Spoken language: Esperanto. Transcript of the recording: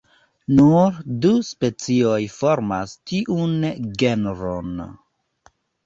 Nur du specioj formas tiun genron.